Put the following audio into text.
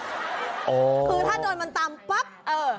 คือถ้าโดนมันตำปั๊บ